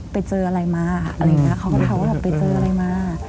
ไปเจออะไรมาอะไรอย่างนี้เขาก็ถามว่าแบบไปเจออะไรมา